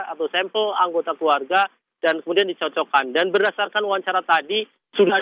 atau sampel anggota keluarga dan kemudian dicocokkan dan berdasarkan wawancara tadi sudah